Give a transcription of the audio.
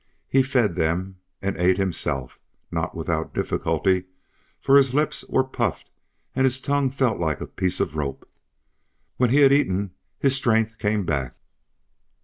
He fed them, and ate himself, not without difficulty, for his lips were puffed and his tongue felt like a piece of rope. When he had eaten, his strength came back.